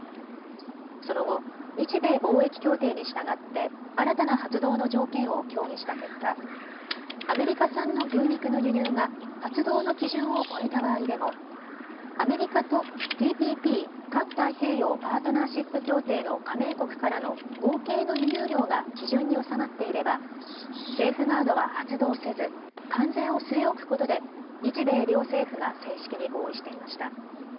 その後、日米貿易協定に従って新たな発動の条件を協議した結果、アメリカ産の牛肉の輸入が発動の基準を超えた場合でもアメリカとＴＰＰ・環太平洋パートナーシップ協定の加盟国からの合計の輸入量が基準に収まっていればセーフガードは発動せず関税を据え置くことで日米両政府が正式に合意していました。